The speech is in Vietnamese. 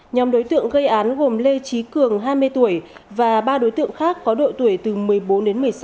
nhóm đối tượng gây án gồm lê trí cường hai mươi tuổi và ba đối tượng khác có độ tuổi từ một mươi bốn đến một mươi sáu